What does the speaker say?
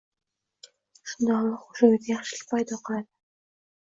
Shunda Alloh o‘sha uyda yaxshilik paydo qiladi.